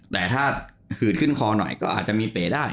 แต่ถ้าหืดขึ้นคอหน่อยก็อาจจะมีเป๋ได้